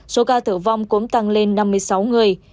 số ca tử vong cũng tăng lên năm mươi sáu người